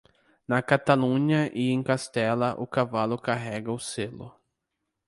Na Catalunha e em Castela, o cavalo carrega o selo.